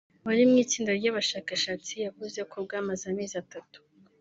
wari mu itsinda ry’abashakashatsi yavuze ko bwamaze amezi atatu